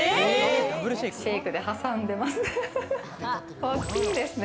シェイクで挟んでますね。